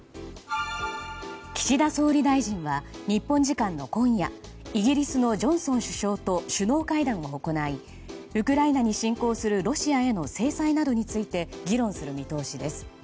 岸田総理大臣は日本時間の今夜イギリスのジョンソン首相と首脳会談を行いウクライナに侵攻するロシアへの制裁などについて議論する見通しです。